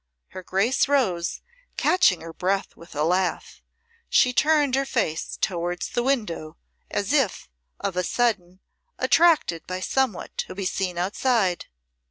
Her Grace rose, catching her breath with a laugh. She turned her face towards the window, as if, of a sudden, attracted by somewhat to be seen outside.